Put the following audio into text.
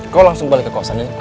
kau langsung balik ke kosan ya